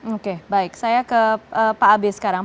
oke baik saya ke pak abe sekarang